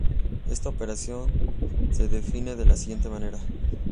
Esta operación se define de la siguiente manera.